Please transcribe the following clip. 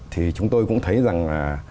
thì chúng tôi cũng thấy rằng